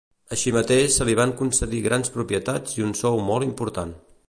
Així mateix se li van concedir grans propietats i un sou molt important.